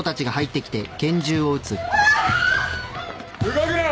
動くな！